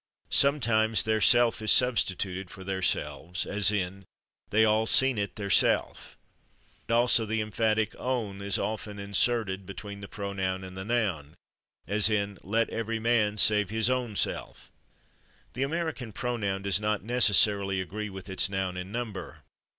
Sometimes /theirself/ is substituted for theirselves, as in "they all seen it /theirself/." Also, the emphatic /own/ is often inserted between the pronoun and the noun, as in "let every man save his /own/ self." The American pronoun does not necessarily agree with its noun in number.